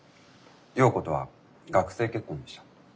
耀子とは学生結婚でした。